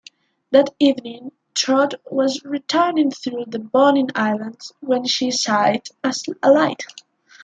That evening, "Trout" was returning through the Bonin Islands when she sighted a light.